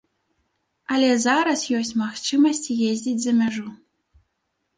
Але зараз ёсць магчымасць ездзіць за мяжу.